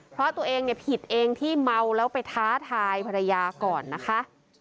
เพราะตัวเองเนี่ยผิดเองที่เมาแล้วไปท้าทายภรรยาก่อนนะคะ